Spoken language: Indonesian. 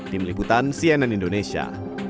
di meliputan cnn indonesia